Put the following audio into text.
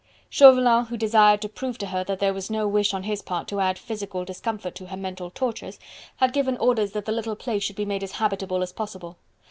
Chauvelin, who desired to prove to her that there was no wish on his part to add physical discomfort to her mental tortures, had given orders that the little place should be made as habitable as possible.